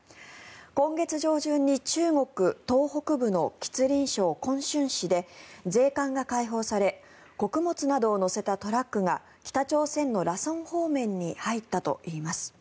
今月上旬に中国東北部の吉林省琿春市で税関が解放され穀物などを載せたトラックが北朝鮮の羅先方面に入ったといいます。